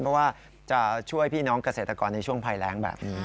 เพราะว่าจะช่วยพี่น้องเกษตรกรในช่วงภัยแรงแบบนี้